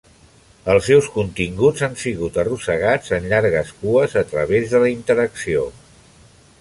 Els seus continguts han sigut arrossegats en llargues cues a través de la interacció.